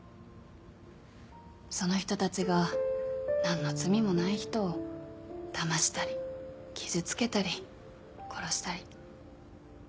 その人たちがなんの罪もない人をだましたり傷つけたり殺したり。